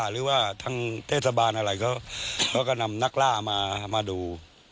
หรือว่าทางเทศบาลอะไรเขาก็นำนักล่ามาดู